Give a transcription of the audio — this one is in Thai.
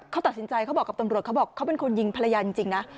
เขาตัดสินใจเขาบอกกับตำรวจเขาบอกเขาเป็นคนยิงภรรยาจริงนะ